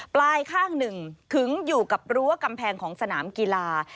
ปลายข้างหนึ่งขึงอยู่กับรั้วกำแพงของสนามกีฬา